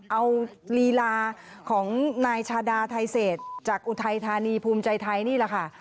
เอาลีลาของนายชาดาไทเศษจากอุทัยธานีภูมิใจไทยนี่แหละค่ะ